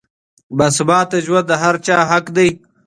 باثباته ژوند د هر چا حق دی.